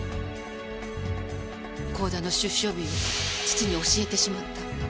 甲田の出所日を父に教えてしまった。